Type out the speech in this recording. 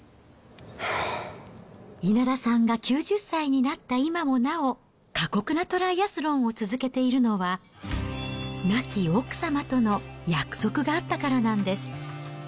稲田さんが９０歳になった今もなお過酷なトライアスロンを続けているのは、亡き奥様との約束があったからなんです。